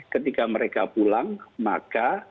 ketika mereka pulang maka